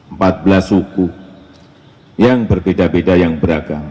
memiliki tujuh ratus empat belas suku yang berbeda beda yang beragam